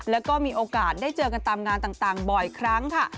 แล้วก็มีโอกาสได้เจอกันตามงานต่างบ่อยครั้งค่ะ